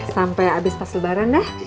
sampai habis pas lebaran dah